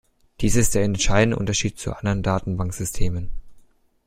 Dies ist der entscheidende Unterschied zu anderen Datenbanksystemen.